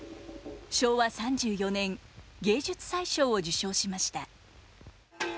昭和３４年芸術祭賞を受賞しました。